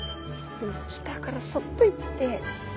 でも下からそっと行って。